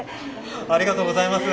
ありがとうございます。